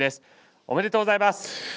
おめでとうございます。